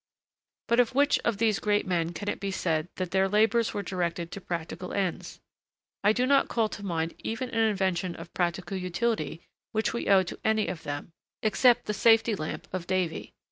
But of which of these great men can it be said that their labors were directed to practical ends? I do not call to mind even an invention of practical utility which we owe to any of them, except the safety lamp of Davy.